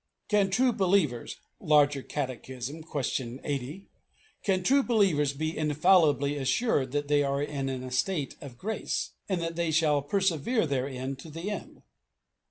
"Can true believers" Larger Catechism, Question 80 "Can true believers be infallibly assured that they are in an estate of grace, and that they shall persevere therein to the end?